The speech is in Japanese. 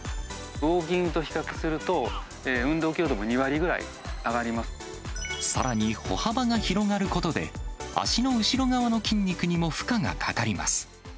ウォーキングと比較すると、さらに、歩幅が広がることで、脚の後ろ側の筋肉にも負荷がかかります。